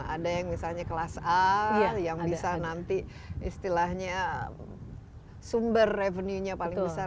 ada yang misalnya kelas a yang bisa nanti istilahnya sumber revenue nya paling besar